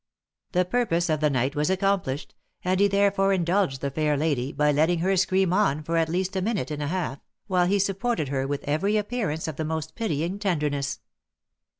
The purpose of the knight was accomplished , and he therefore indulged the fair lady by letting her scream on for at least a minute and a half, while he supported her with every appearance of the most pitying tenderness.